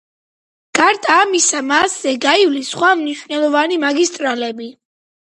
გარდა ამისა, მასზე გაივლის სხვა მნიშვნელოვანი მაგისტრალები.